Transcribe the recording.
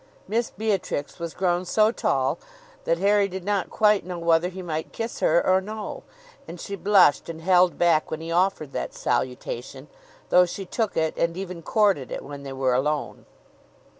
Miss Beatrix was grown so tall that Harry did not quite know whether he might kiss her or no; and she blushed and held back when he offered that salutation, though she took it, and even courted it, when they were alone.